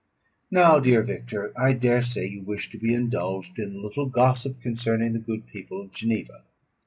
"Now, dear Victor, I dare say you wish to be indulged in a little gossip concerning the good people of Geneva.